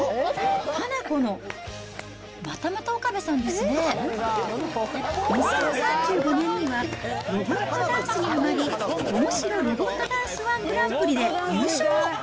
ハナコの、またまた岡部さんですね、２０３５年には、ロボットダンスにはまり、おもしろロボットダンス１グランプリで優勝。